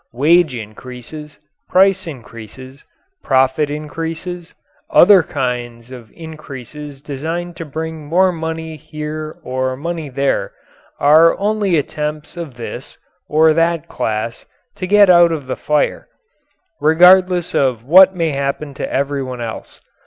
Wage increases, price increases, profit increases, other kinds of increases designed to bring more money here or money there, are only attempts of this or that class to get out of the fire regardless of what may happen to everyone else.